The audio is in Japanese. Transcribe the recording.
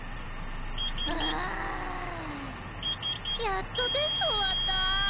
やっとテスト終わった！